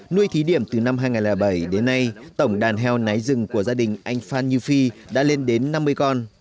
nuôi thí điểm từ năm hai nghìn bảy đến nay tổng đàn heo nái rừng của gia đình anh phan như phi đã lên đến năm mươi con